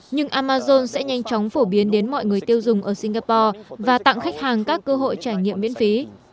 nhưng amazon sẽ nhanh chóng phổ biến đến mọi người tiêu dùng ở singapore và tặng khách hàng các cơ hội trải nghiệm miễn phí